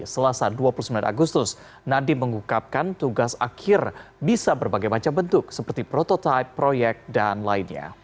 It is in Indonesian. selasa dua puluh sembilan agustus nadiem mengukapkan tugas akhir bisa berbagai macam bentuk seperti prototipe proyek dan lainnya